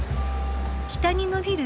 北に延びる